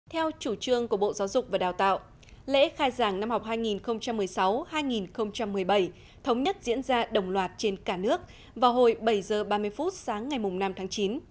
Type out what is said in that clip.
theo chủ trương của bộ giáo dục và đào tạo lễ khai giảng năm học hai nghìn một mươi sáu hai nghìn một mươi bảy thống nhất diễn ra đồng loạt trên cả nước vào hồi bảy h ba mươi phút sáng ngày năm tháng chín